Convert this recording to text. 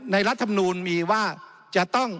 ในรัฐธรรมนุนมีว่า